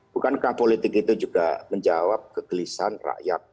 bukankah politik itu juga menjawab kegelisahan rakyat